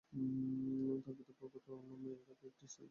তাঁর পিতা ভগত রাম নামে এক কৃষক জাতীয় পর্যায়ে কাবাডি খেলতেন।